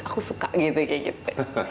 aku suka gpg gp